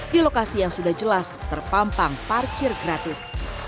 di lokasi yang sudah jelas terpampang parkir gratis